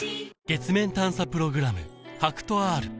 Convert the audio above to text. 月面探査プログラム